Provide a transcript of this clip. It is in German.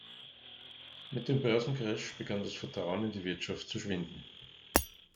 Mit dem Börsencrash begann das Vertrauen in die Wirtschaft zu schwinden.